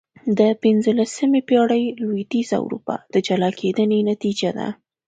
د پنځلسمې پېړۍ لوېدیځه اروپا د جلا کېدنې نتیجه ده.